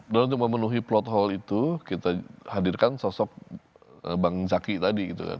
dan untuk memenuhi plot hole itu kita hadirkan sosok bang zaky tadi gitu kan